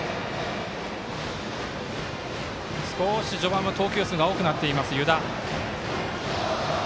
少し序盤は投球数が多くなっています、湯田。